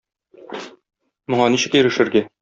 Моңа ничек ирешергә?